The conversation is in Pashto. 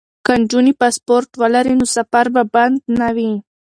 که نجونې پاسپورټ ولري نو سفر به بند نه وي.